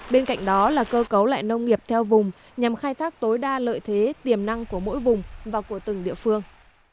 bên cạnh đó là cơ cấu lại nông nghiệp theo vùng nhằm khai thác tối đa lợi thế tiềm năng của mỗi vùng và của từng địa phương